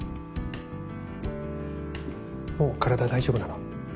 もう体大丈夫なの？